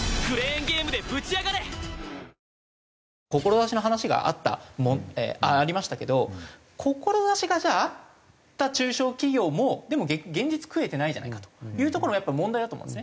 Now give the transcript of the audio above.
志の話があったありましたけど志があった中小企業もでも現実食えてないじゃないかというところもやっぱ問題だと思うんですね。